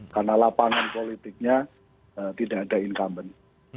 karena lapangan politiknya tidak ada incumbent